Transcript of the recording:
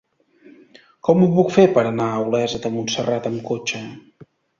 Com ho puc fer per anar a Olesa de Montserrat amb cotxe?